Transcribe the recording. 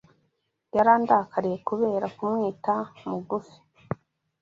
Yarandakariye kubera kumwita Mugufi